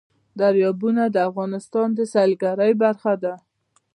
دریابونه د افغانستان د سیلګرۍ برخه ده.